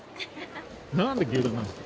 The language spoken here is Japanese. なんで牛丼なんですか？